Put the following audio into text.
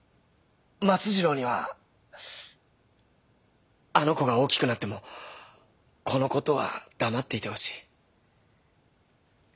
松次郎にはあの子が大きくなってもこの事は黙っていてほしい。